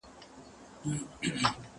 زه اوږده وخت سفر کوم!